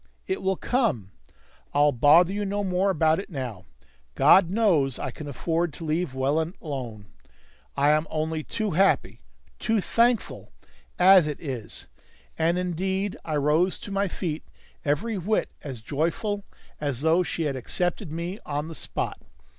It will come. I'll bother you no more about it now. God knows I can afford to leave well alone! I am only too happy too thankful as it is!" And indeed I rose to my feet every whit as joyful as though she had accepted me on the spot.